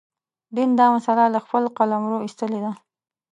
دین دا مسأله له خپل قلمروه ایستلې ده.